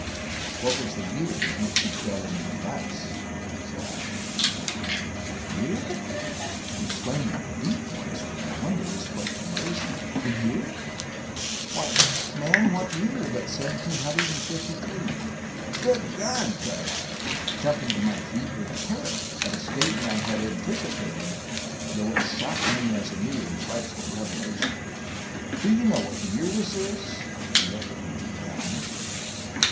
"What was the year in which you fell in with the ice?" said I. "The year?" he exclaimed in a voice deep with the wonder this question raised in him; "the year? Why, man, what year but seventeen hundred and fifty three!" "Good God!" cried I, jumping to my feet with terror at a statement I had anticipated, though it shocked me as a new and frightful revelation. "Do you know what year this is?" He looked at me without answering.